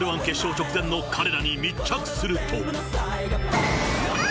Ｒ−１決勝直前の彼らに密着すると。